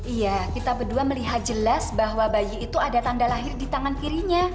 iya kita berdua melihat jelas bahwa bayi itu ada tanda lahir di tangan kirinya